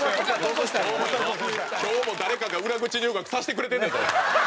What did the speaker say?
今日も誰かが裏口入学させてくれてんねんぞお前。